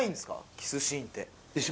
キスシーンって。